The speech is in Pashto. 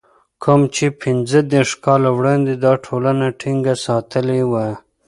کوم چې پنځه دېرش کاله وړاندې دا ټولنه ټينګه ساتلې وه.